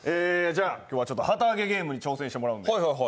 じゃあ、今日は旗あげゲームに挑戦してもらうんで。